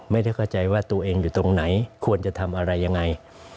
ไม่ได้เข้าใจว่าตัวเองอยู่ตรงไหนควรจะทำอะไรยังไง